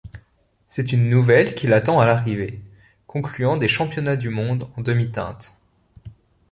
C'est une nouvelle qui l'attend à l'arrivée, concluant des championnats du monde en demi-teinte.